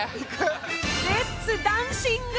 レッツダンシング！